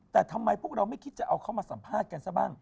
แต่ทำไมพวกเราไม่คิดจะเอาเข้ามาสัมภาษณ์กันซะบ้าง